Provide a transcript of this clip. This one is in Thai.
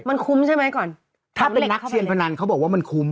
มันคุ้มใช่ไหมก่อนถ้าเป็นนักเทียนพนันเขาบอกว่ามันคุ้ม